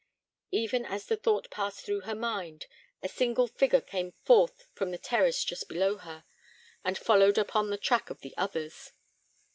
Even as the thought passed through her mind, a single figure came forth from the terrace just below her, and followed upon the track of the others.